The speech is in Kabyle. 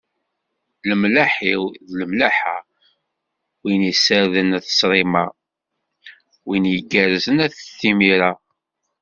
Lemlaḥ-iw lmellaḥa, wwin iserdan at ssṛima, wwin yirgazen at d timira.